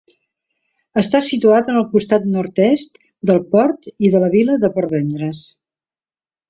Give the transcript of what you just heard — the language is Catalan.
Està situat en el costat nord-est del port i de la vila de Portvendres.